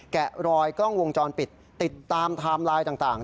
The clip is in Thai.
แกะรอยกล้องวงจรปิดติดตามไทม์ไลน์ต่าง